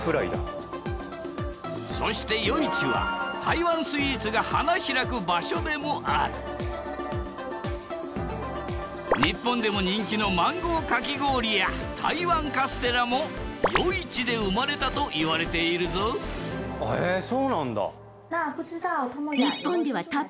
そして夜市は台湾スイーツが花開く場所でもある日本でも人気のマンゴーかき氷や台湾カステラも夜市で生まれたといわれているぞえそうなんだ！